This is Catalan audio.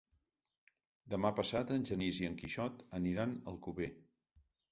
Demà passat en Genís i en Quixot aniran a Alcover.